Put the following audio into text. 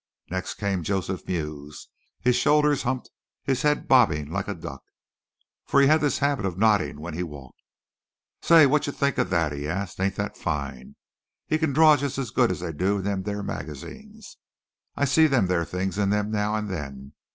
Next came Joseph Mews, his shoulders humped, his head bobbing like a duck, for he had this habit of nodding when he walked. "Say, wot d'ye thinka that?" he asked. "Ain't that fine. He kin drawr jist as good as they do in them there magazines. I see them there things in them, now an' then.